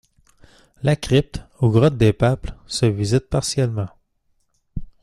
La crypte, ou grotte des papes, se visite partiellement.